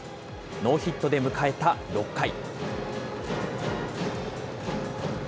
ノーヒットで迎えた６回。